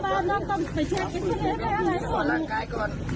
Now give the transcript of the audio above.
ในกลางบ้านต้องไปเช็คเอ็กซาเด๊กก่อนลูก